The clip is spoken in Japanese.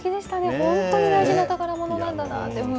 本当に大事な宝ものなんだなって。